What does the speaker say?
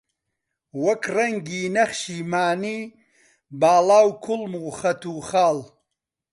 وەک ڕەنگی نەخشی مانی، باڵا و کوڵم و خەت و خاڵ